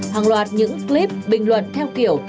hàng loạt những clip bình luận theo kiểu